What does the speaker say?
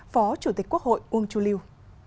phó chủ tịch quốc hội uông chu liêu